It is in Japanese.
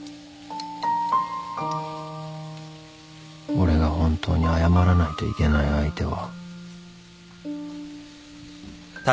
俺が本当に謝らないといけない相手は